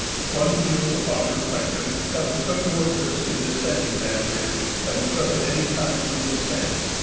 One feels upon reflection that we took more risk in descending that ridge than we took at any time in the ascent.